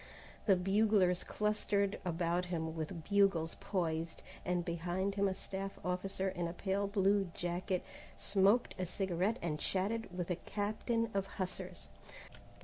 The buglers clustered about him with bugles poised, and behind him a staff officer in a pale blue jacket smoked a cigarette and chatted with a captain of hussars.